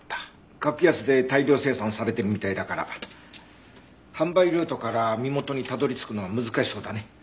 格安で大量生産されてるみたいだから販売ルートから身元にたどり着くのは難しそうだね。